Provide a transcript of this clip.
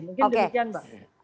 mungkin demikian mbak